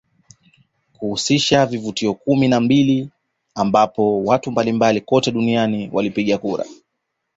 Kuhusisha vivutio kumi na mbili ambapo watu mbalimbali kote duniani walipiga kura